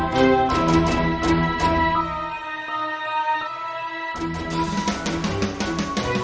ก็ไม่น่าจะดังกึ่งนะ